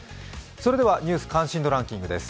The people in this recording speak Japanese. それでは「ニュース関心度ランキング」です。